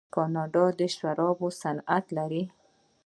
کاناډا د شرابو صنعت لري.